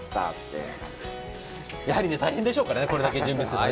やはり大変でしょうからね、これだけ準備するの。